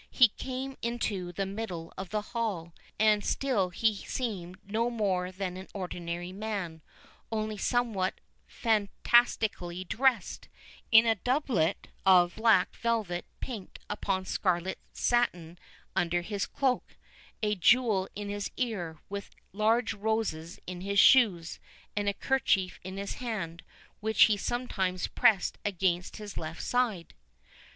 He came into the middle of the hall, and still he seemed no more than an ordinary man, only somewhat fantastically dressed, in a doublet of black velvet pinked upon scarlet satin under his cloak, a jewel in his ear, with large roses in his shoes, and a kerchief in his hand, which he sometimes pressed against his left side."